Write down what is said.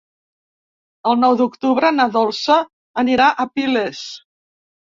El nou d'octubre na Dolça anirà a Piles.